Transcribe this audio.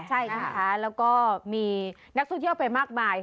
ใช่นะคะแล้วก็มีนักท่องเที่ยวไปมากมาย